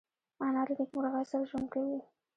انا له نیکمرغۍ سره ژوند کوي